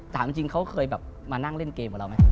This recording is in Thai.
ถามจริงเขาเคยแบบมานั่งเล่นเกมกับเราไหม